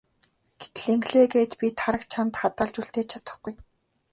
Гэтэл ингэлээ гээд би Тараг чамд хадгалж үлдээж чадахгүй.